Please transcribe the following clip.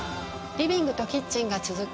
リビングとキッチンが続く